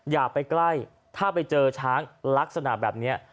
อย่าไปใกล้ถ้าไปเจอช้างลักษณะแบบนี้